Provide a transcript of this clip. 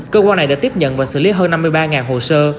cơ quan này đã tiếp nhận và xử lý hơn năm mươi ba hồ sơ